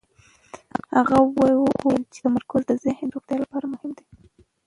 هغه وویل چې تمرکز د ذهن د روغتیا لپاره مهم دی.